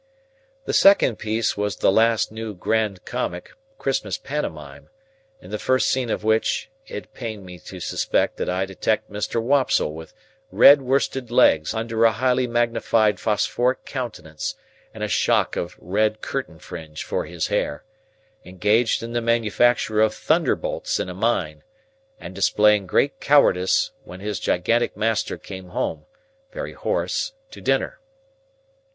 The second piece was the last new grand comic Christmas pantomime, in the first scene of which, it pained me to suspect that I detected Mr. Wopsle with red worsted legs under a highly magnified phosphoric countenance and a shock of red curtain fringe for his hair, engaged in the manufacture of thunderbolts in a mine, and displaying great cowardice when his gigantic master came home (very hoarse) to dinner.